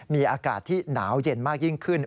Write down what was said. มีอากาศที่หนาวเย็นมากยิ่งขึ้น